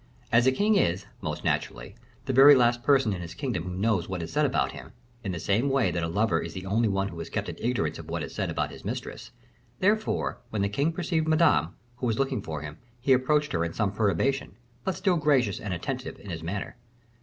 As a king is, most naturally, the very last person in his kingdom who knows what is said about him, in the same way that a lover is the only one who is kept in ignorance of what is said about his mistress, therefore, when the king perceived Madame, who was looking for him, he approached her in some perturbation, but still gracious and attentive in his manner.